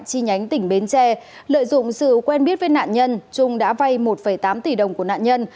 chi nhánh tỉnh bến tre lợi dụng sự quen biết với nạn nhân trung đã vay một tám tỷ đồng của nạn nhân